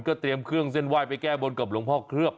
เตรียมเครื่องเส้นไหว้ไปแก้บนกับหลวงพ่อเคลือบ